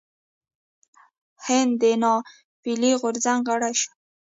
هند د ناپیيلي غورځنګ غړی شو.